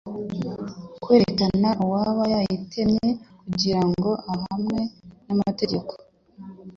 kwerekana uwaba yayitemye kugira ngo ahanwe n'amategeko.